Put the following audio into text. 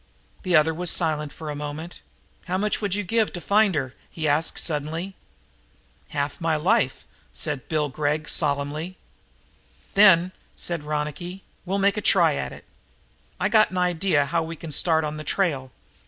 The other was silent for a moment. "How much would you give to find her?" he asked suddenly. "Half my life," said Bill Gregg solemnly. "Then," said Ronicky, "we'll make a try at it. I got an idea how we can start on the trail.